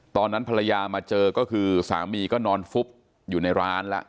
ตอนนั้นภรรยามาเจอก็คือสามีก็นอนฟุบอยู่ในร้านแล้ว